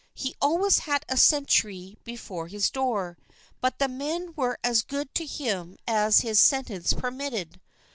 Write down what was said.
He always had a sentry before his door, but the men were as good to him as his sentence permitted.